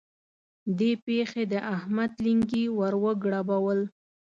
دې پېښې د احمد لېنګي ور وګړبول.